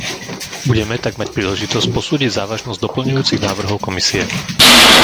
Budeme tak mať príležitosť posúdiť závažnosť doplňujúcich návrhov Komisie.